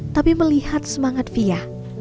tapi melihat semangat fia